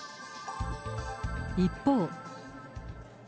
一方。